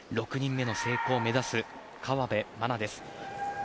６人目の成功を目指す河辺愛菜です。